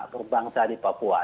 perbangsa di papua